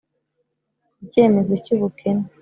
icyemezo cy’ubukene: